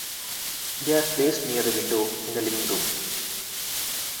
They are placed near the window in the living room.